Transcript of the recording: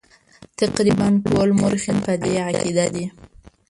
تقریبا ټول مورخین په دې عقیده دي.